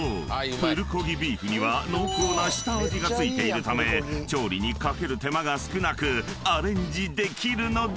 プルコギビーフには濃厚な下味が付いているため調理にかける手間が少なくアレンジできるのだ］